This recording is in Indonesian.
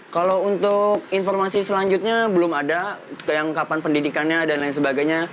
kalau untuk informasi selanjutnya belum ada kelengkapan pendidikannya dan lain sebagainya